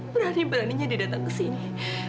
berani beraninya dia datang kesini